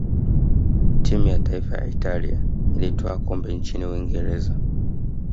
timu ya taifa ya italia ilitwaa kombe nchini uingereza